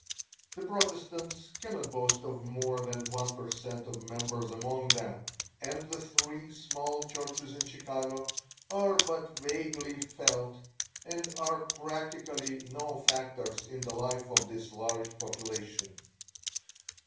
The Protestants cannot boast of more than one per cent. of members among them, and the three small churches in Chicago are but vaguely felt and are practically no factors in the life of this large population.